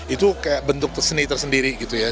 itu kayak bentuk seni tersendiri gitu ya